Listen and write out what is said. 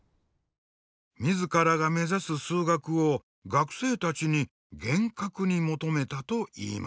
自らが目指す数学を学生たちに厳格に求めたといいます。